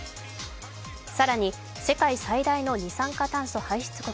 更に、世界最大の二酸化炭素排出国